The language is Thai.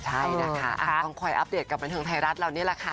ใช่นะคะต้องคอยอัปเดตกับบันเทิงไทยรัฐเรานี่แหละค่ะ